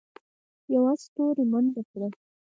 یوه ستوري منډه کړه.